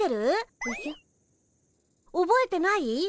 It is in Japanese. おぼえてない？